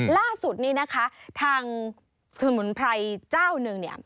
ล่าสุดนี่นะคะทางสมุนไพรเจ้านึง